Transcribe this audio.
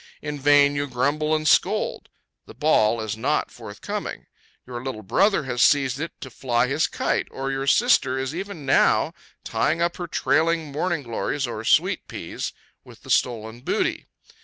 In vain you grumble and scold. The ball is not forthcoming. Your little brother has seized it to fly his kite, or your sister is even now tying up her trailing morning glories, or sweet peas, with the stolen booty.